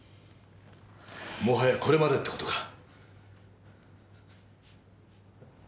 もはやこれまでって事か。